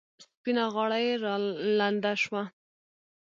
سپینه غاړه یې لنده شوه.